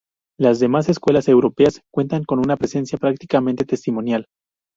Las demás escuelas europeas cuentan con una presencia prácticamente testimonial.